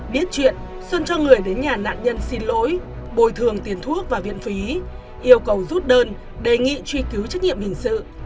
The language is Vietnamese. biết chuyện xuân cho người đến nhà nạn nhân xin lỗi bồi thường tiền thuốc và viện phí yêu cầu rút đơn đề nghị truy cứu trách nhiệm hình sự